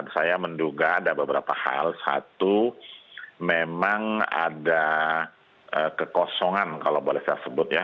saya menduga ada beberapa hal satu memang ada kekosongan kalau boleh saya sebut ya